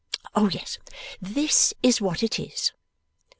Oh yes! This is what it is.